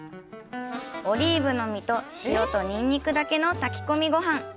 オリーブの実と塩とニンニクだけの炊き込みごはん。